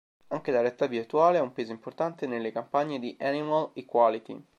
Anche la realtà virtuale ha un peso importante nelle campagne di Animal Equality.